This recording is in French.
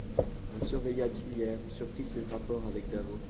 On surveilla Tillières, on surprit ses rapports avec d'Avaux.